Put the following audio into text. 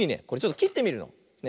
これちょっときってみるの。